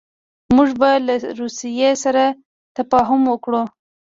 موږ به له روسیې سره تفاهم وکړو.